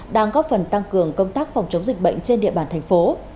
đang góp phần tăng cường công tác phòng chống dịch bệnh trên địa bàn thành phố